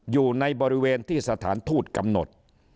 อยู่ในบริเวณที่สถานทูตกำหนด